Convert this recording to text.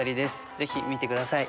ぜひ見てください。